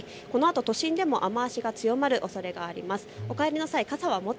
このあと都心でも雨足が強くなるおそれがあります。